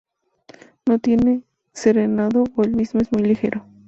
No tienen carenado o el mismo es muy ligero.